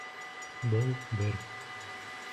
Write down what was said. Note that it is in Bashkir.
Был — бер.